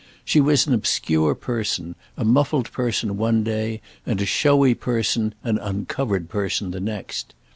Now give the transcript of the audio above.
She was an obscure person, a muffled person one day, and a showy person, an uncovered person the next.